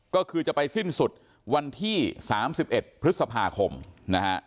ก็คือจะไปสิ้นสุดวันที่๓๑พฤษภาคมนะฮะ